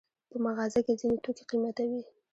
په مغازه کې ځینې توکي قیمته وي.